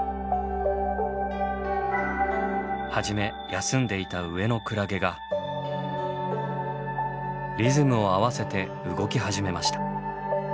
初め休んでいた上のクラゲがリズムを合わせて動き始めました。